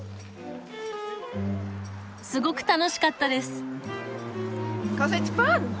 すごく楽しかったです。